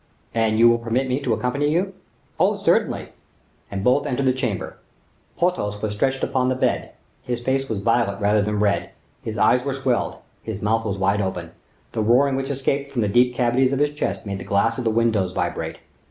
"And you will permit me to accompany you?" "Oh, certainly;" and both entered the chamber. Porthos was stretched upon the bed; his face was violet rather than red; his eyes were swelled; his mouth was wide open. The roaring which escaped from the deep cavities of his chest made the glass of the windows vibrate.